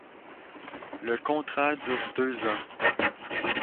Le contrat dure deux ans.